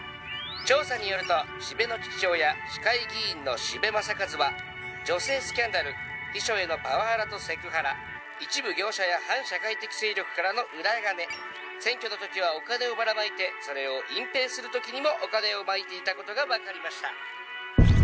「調査によると四部の父親市会議員の四部正一は女性スキャンダル秘書へのパワハラとセクハラ一部業者や反社会的勢力からの裏金選挙の時はお金をばらまいてそれを隠蔽する時にもお金をまいていた事がわかりました」